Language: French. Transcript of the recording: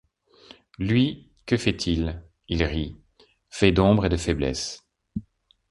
Lui, que fait-il ? Il rit. Fait d’ombre et de faiblesse